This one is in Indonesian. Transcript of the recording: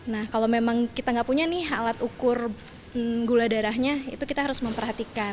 nah kalau memang kita nggak punya nih alat ukur gula darahnya itu kita harus memperhatikan